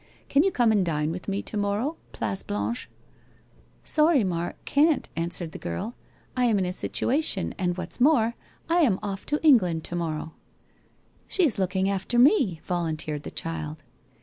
Can you come and dine with me to morrow, Place Blanche?' ' Sorry, Mark, can't !' answered the girl. ' I am in a situation and whaf s more, I am off to England to morrow.' ' She is looking after me !' volunteered the child.